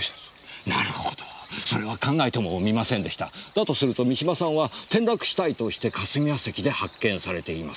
だとすると三島さんは転落死体として霞ヶ関で発見されています。